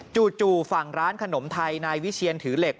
จู่ฝั่งร้านขนมไทยนายวิเชียนถือเหล็ก